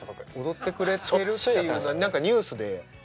踊ってくれてるっていうの何かニュースで見て。